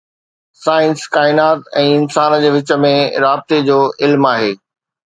Science ڪائنات ۽ انسان جي وچ ۾ رابطي جو علم آهي.